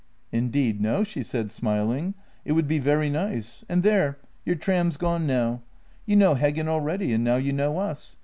" Indeed no," she said, smiling —" it would be very nice — and there — your tram's gone now. You know Heggen already, and now you know us.